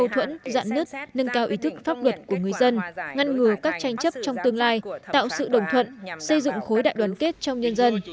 thuẫn giãn nứt nâng cao ý thức pháp luật của người dân ngăn ngừa các tranh chấp trong tương lai tạo sự đồng thuận xây dựng khối đại đoàn kết trong nhân dân